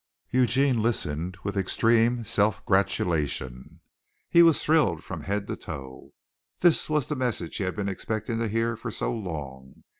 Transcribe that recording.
Eugene listened with extreme self gratulation. He was thrilling from head to toe. This was the message he had been expecting to hear for so long.